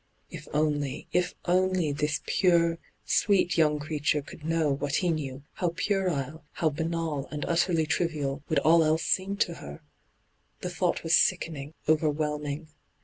If only, if only, this pure, sweet young creature could know what he knew, how puerile, how banal and utterly trivial, would all else seem to her I The thought was sickening, over whelming.